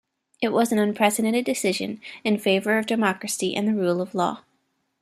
It was an unprecedented decision in favour of democracy and the rule of law.